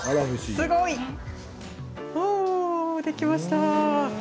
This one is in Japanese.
すごい！おお、できました。